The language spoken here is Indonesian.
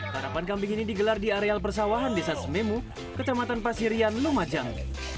karapan kambing ini digelar di areal persawahan desa sememu kecamatan pasirian lumajang